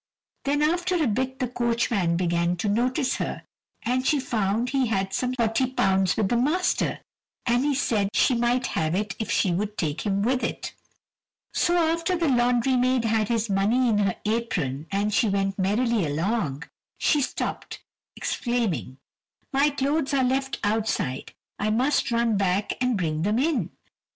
Then after a bit the coachman began to notice her, and she found he had some £40 with the master, and he said she might have it if she would take him with it. So after the laundry maid had his money in her apron as they went merrily along, she stopt, exclaiming: "My clothes are left outside, I must run back and bring them in."